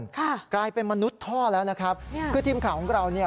ค่ะกลายเป็นมนุษย์ท่อแล้วนะครับคือทีมข่าวของเราเนี่ย